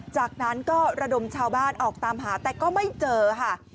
จากนั้นก็ระดมชาวบ้านออกตามหาแต่ก็ไม่เจอค่ะ